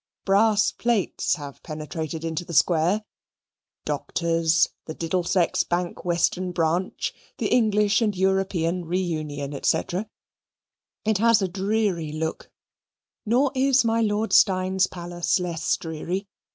Brass plates have penetrated into the square Doctors, the Diddlesex Bank Western Branch the English and European Reunion, &c. it has a dreary look nor is my Lord Steyne's palace less dreary.